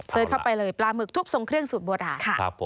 เสิร์ชเข้าไปเลยปลาหมึกทุบทรงเครื่องสุดโบราณ